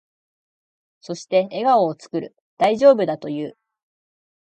そして、笑顔を作る。大丈夫だと言う。